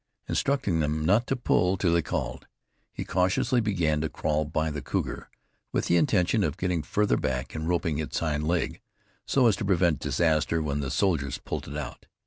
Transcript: Instructing them not to pull till he called, he cautiously began to crawl by the cougar, with the intention of getting farther back and roping its hind leg, so as to prevent disaster when the soldiers pulled it out.